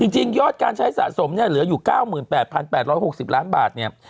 ยอดการใช้สะสมเนี่ยเหลืออยู่๙๘๘๖๐ล้านบาทเนี่ย